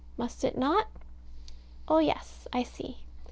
Must it not? Oh yes, I see.